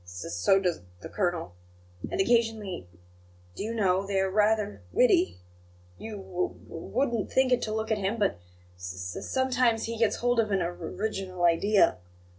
"S so does the colonel. And occasionally, do you know, they are rather witty. You w w wouldn't think it to look at him; but s s sometimes he gets hold of an or r riginal idea.